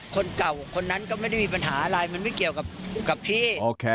คนเก่าคนนั้นก็ไม่ได้มีปัญหาอะไรมันไม่เกี่ยวกับพี่